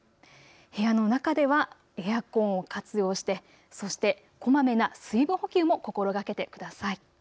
部屋の中ではエアコンを活用してそしてこまめな水分補給も心がけてください。